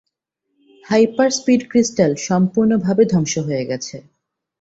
Hyper-speed crystal সম্পূর্ণভাবে ধ্বংস হয়ে গেছে।